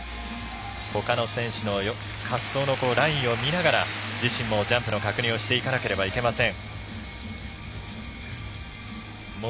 ほかの選手の滑走のラインを見ながら自身もジャンプの確認をしていかなければなりません。